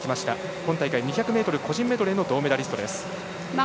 今大会２００ｍ個人メドレーの銅メダリストです。